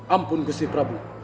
ampun gusti prabu